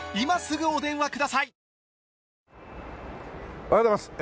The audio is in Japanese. おはようございます。